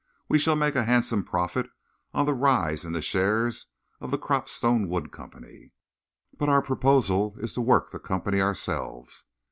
We shall make a handsome profit on the rise in the shares of the Cropstone Wood Company, but our proposal is to work the company ourselves.